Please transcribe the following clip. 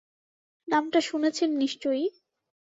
নামটা শুনেছেন নিশ্চয়ই?